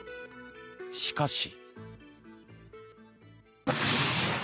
しかし。